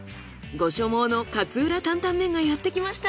ご所望の勝浦タンタンメンがやってきました！